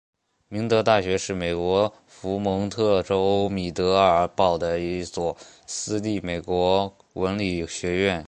明德大学是美国佛蒙特州米德尔堡的一所私立美国文理学院。